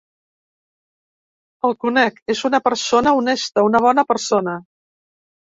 El conec, és una persona honesta, una bona persona.